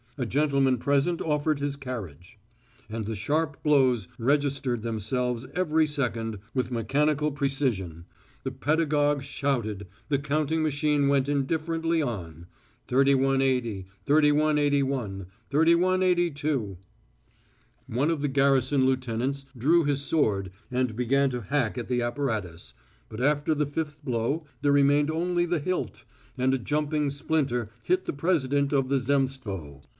A gentleman present offered his carriage. And the sharp blows registered themselves every second with mathematical precision; the pedagogue shouted; the counting machine went indifferently on. 3180, 3181, 3182.... One of the garrison lieutenants drew his sword and began to hack at the apparatus, but after the fifth blow there remained only the hilt, and a jumping splinter hit the president of the Zemstvo.